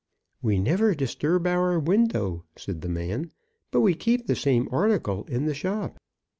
"We never disturb our window," said the man, "but we keep the same article in the shop."